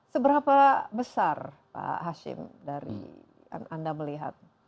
seberapa besar pak hashim dari anda melihat